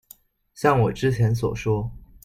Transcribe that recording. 像我之前所說